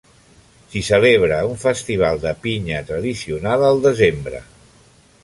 S'hi celebra un festival de pinya tradicional al desembre.